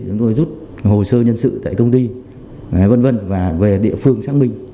chúng tôi rút hồ sơ nhân sự tại công ty v v và về địa phương xác minh